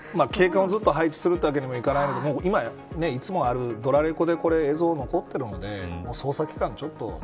警官をずっと配置するわけにもいかないのでいつもやるドラレコで映像が残ってるので捜査機関、ちょっと。